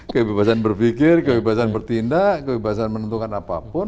kebebasan berpikir kebebasan bertindak kebebasan menentukan apapun